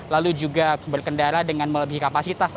lalu juga berkendara dengan melebihi kapasitas